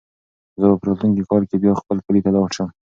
زه به په راتلونکي کال کې بیا خپل کلي ته لاړ شم.